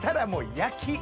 焼き！